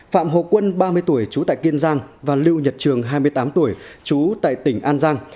phạm hồ quân ba mươi tuổi trú tại kiên giang và lưu nhật trường hai mươi tám tuổi trú tại tỉnh an giang